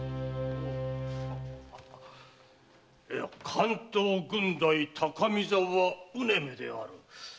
関東郡代高見沢采女である。